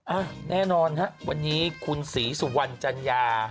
อ่ะแน่นอนฮะวันนี้คุณศรีสุวรรณจัญญา